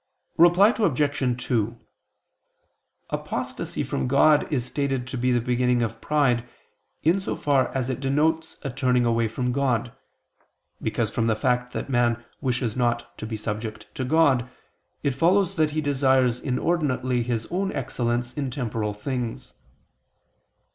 Reply Obj. 2: Apostasy from God is stated to be the beginning of pride, in so far as it denotes a turning away from God, because from the fact that man wishes not to be subject to God, it follows that he desires inordinately his own excellence in temporal things.